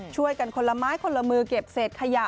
ช่วยกันคนละไม้คนละมือเก็บเศษขยะ